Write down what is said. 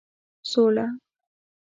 سوله